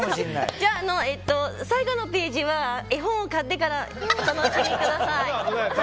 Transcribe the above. じゃあ、最後のページは絵本を買ってからお楽しみください。